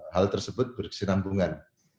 hal tersebut berkesinambungan